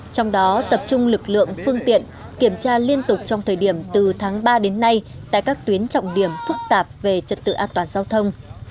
trong đó tập trung lực lượng phương tiện kiểm tra liên tục trong thời điểm từ tháng ba đến nay tại các tuyến trọng điểm phức tạp về trật tự an toàn giao thông